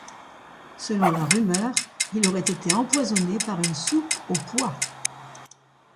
Selon la rumeur, il aurait été empoisonné par une soupe aux pois.